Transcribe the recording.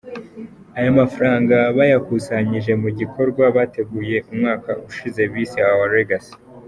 Aya mafaranga bayakusanyije mu gikorwa bateguye umwaka ushize bise “Our Legacy”.